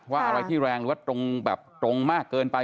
ว่าอะไรที่แรงอะไรที่ตรงแบบตรงมากเกินไป